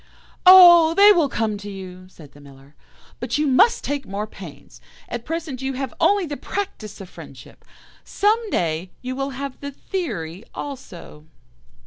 "'Oh! they will come to you,' said the Miller, 'but you must take more pains. At present you have only the practice of friendship; some day you will have the theory also.